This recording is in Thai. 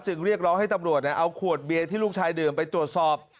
เรียกร้องให้ตำรวจเอาขวดเบียร์ที่ลูกชายดื่มไปตรวจสอบ